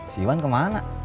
si wan kemana